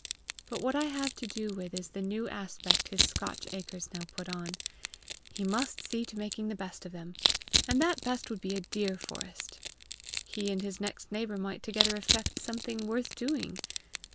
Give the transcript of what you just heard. But what I have to do with is the new aspect his Scotch acres now put on: he must see to making the best of them! and that best would be a deer forest! He and his next neighbour might together effect something worth doing!